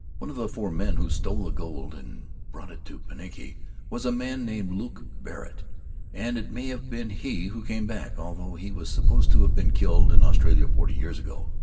One of the four men who stole the gold and brought it to Pinaki was a man named Luke Barrett, and it may have been he who came back, although he was supposed to have been killed in Australia forty years ago.